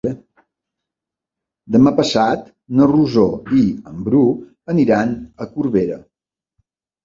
Demà passat na Rosó i en Bru aniran a Corbera.